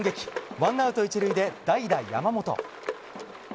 ワンアウト１塁で代打、山本。